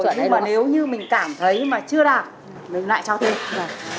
đã đạt rồi nhưng mà nếu như mình cảm thấy mà chưa đạt mình lại cho thêm